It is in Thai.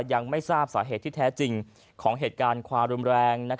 ยังไม่ทราบสาเหตุที่แท้จริงของเหตุการณ์ความรุนแรง